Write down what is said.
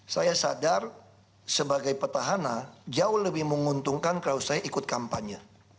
saya sadar sebagai petahana jauh lebih menguntungkan kalau saya ikut kampanye